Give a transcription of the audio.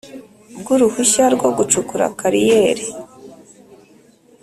Bw uruhushya rwo gucukura kariyeri